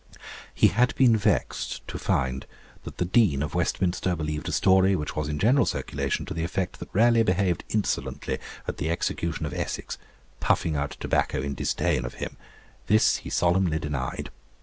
He had been vexed to find that the Dean of Westminster believed a story which was in general circulation to the effect that Raleigh behaved insolently at the execution of Essex, 'puffing out tobacco in disdain of him;' this he solemnly denied.